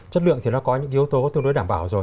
chất lượng thì nó có những yếu tố tương đối đảm bảo rồi